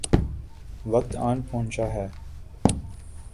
وقت آن پہنچا ہے۔